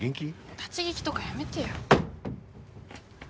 立ち聞きとかやめてよ。